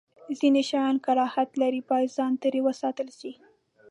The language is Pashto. ځینې شیان کراهت لري، باید ځان ترې وساتل شی.